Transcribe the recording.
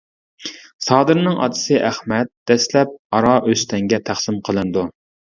سادىرنىڭ ئاتىسى ئەخمەت دەسلەپ ئارا ئۆستەڭگە تەقسىم قىلىنىدۇ.